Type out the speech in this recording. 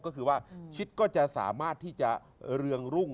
ก็คือว่าชิดก็จะสามารถที่จะเรืองรุ่ง